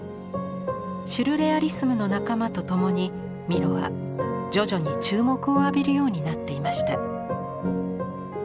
シュルレアリスムの仲間と共にミロは徐々に注目を浴びるようになっていました。